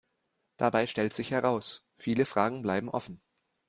Dabei stellt sich heraus: Viele Fragen bleiben offen.